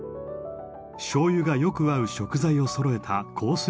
醤油がよく合う食材をそろえたコース